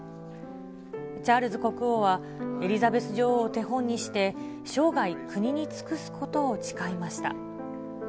チャールズ国王はエリザベス女王を手本にして、生涯国に尽くすことを誓いました。